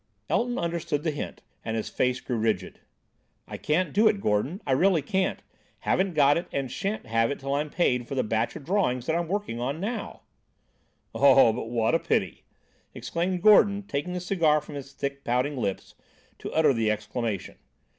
Elton understood the hint, and his face grew rigid. "I can't do it, Gordon; I can't really. Haven't got it, and shan't have it until I'm paid for the batch of drawings that I'm working on now." "Oh, but what a pity!" exclaimed Gordon, taking the cigar from his thick, pouting lips to utter the exclamation.